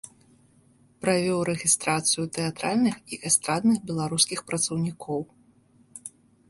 Правёў рэгістрацыю тэатральных і эстрадных беларускіх працаўнікоў.